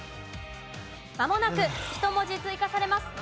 まもなく１文字追加されます。